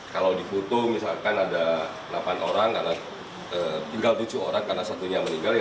kalau di foto misalkan ada delapan orang karena tinggal tujuh orang karena satunya meninggal